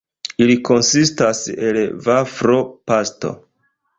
Ili konsistas el vaflo-pasto.